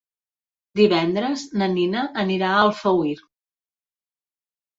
Divendres na Nina anirà a Alfauir.